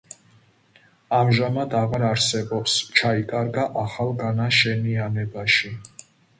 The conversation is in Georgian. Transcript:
ამჟამად აღარ არსებობს, ჩაიკარგა ახალ განაშენიანებაში.